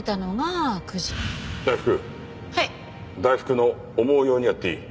大福の思うようにやっていい。